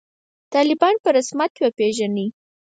طالبان په رسمیت وپېژنئ